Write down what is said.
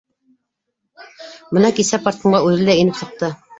Бына кисә парткомға үҙе лә инеп сыҡты: